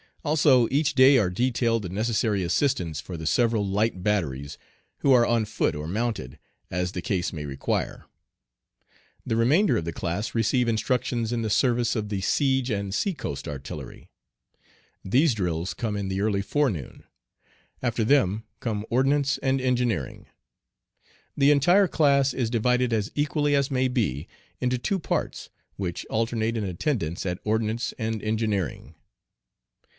Also each day are detailed the necessary assistants for the several light batteries, who are on foot or mounted, as the case may require. The remainder of the class receive instructions in the service of the siege and sea coast artillery. These drills come in the early forenoon. After them come ordnance and engineering. The entire class is divided as equally as may be into two parts, which alternate in attendance at ordnance and engineering.